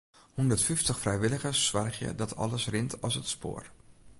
Hûndertfyftich frijwilligers soargje dat alles rint as it spoar.